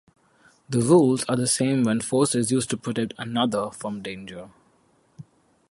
The rules are the same when force is used to protect "another" from danger.